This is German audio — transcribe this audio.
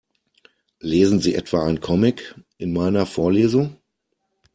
Lesen Sie etwa einen Comic in meiner Vorlesung?